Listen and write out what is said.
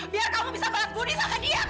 biar kamu bisa balas bunyi sama dia kan